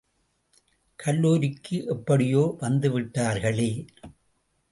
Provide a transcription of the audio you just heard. கல்லூரிக்கு எப்படியோ வந்துவிட்டார்களே!